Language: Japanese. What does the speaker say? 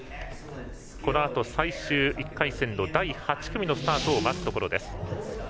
このあと、最終１回戦の第８組のスタートを待つところです。